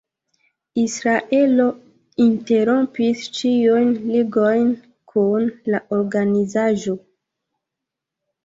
Israelo interrompis ĉiujn ligojn kun la organizaĵo.